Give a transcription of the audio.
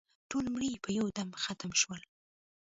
ټول مړي په یو دم ختم شول.